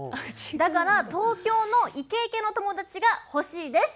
だから東京のイケイケの友達が欲しいです。